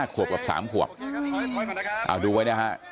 ขวบกับ๓ขวบเอาดูไว้นะฮะ